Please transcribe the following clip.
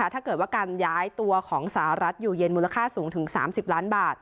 ถ้าเกิดว่าการย้ายตัวของสหรัฐอยู่เย็นมูลค่าสูงถึง๓๐ล้านบาท